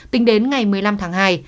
tính đến ngày một mươi năm tháng hai